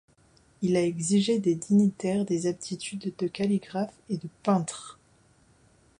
Il a exigé des dignitaires des aptitudes de calligraphe et de peintre.